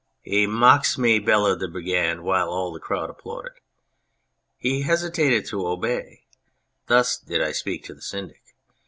"He mocks me!" bellowed the Brigand, while all the crowd applauded. " He hesitates to obey (thus did I speak to the Syndic).